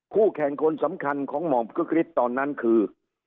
คู่แข่งคนสำคัญของหม่อมคึกฤทธิ์ตอนนั้นคือ